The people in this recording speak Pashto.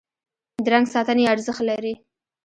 د رنګ ساتنه یې ارزښت لري.